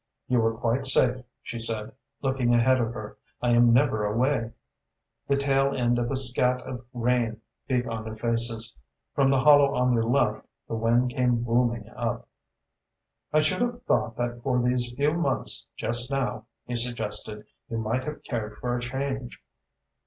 "You were quite safe," she said, looking ahead of her. "I am never away." The tail end of a scat of rain beat on their faces. From the hollow on their left, the wind came booming up. "I should have thought that for these few months just now," he suggested, "you might have cared for a change."